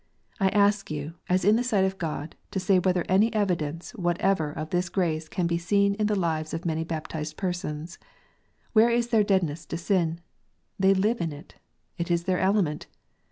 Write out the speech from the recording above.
I ask you, as in the sight of God, to say whether any evidence whatever of this grace can be seen in the lives of many baptized persons. Where is their deadness to sin ? They live in it. It is their element.